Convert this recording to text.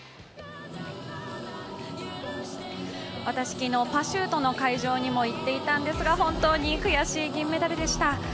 私、昨日、パシュートの会場にも行っていたんですが、本当に悔しい銀メダルでした。